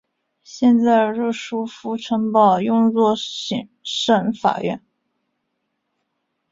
现在热舒夫城堡用作省法院。